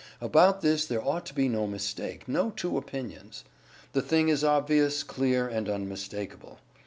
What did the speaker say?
About this there ought to be no mistake, no two opinions. The thing is obvious, clear and unmistakable.